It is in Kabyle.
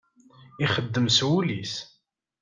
Ixeddem s wul-is.